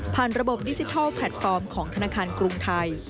ระบบดิจิทัลแพลตฟอร์มของธนาคารกรุงไทย